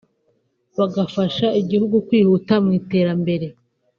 bagafasha igihugu kwihuta mu iterambere